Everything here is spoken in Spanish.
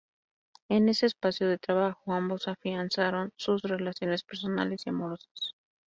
En ese espacio de trabajo, ambos afianzaron sus relaciones personales y amorosas.